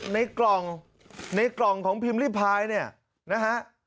ในกล่องในกล่องของพิมพ์ริพายเนี่ยนะฮะ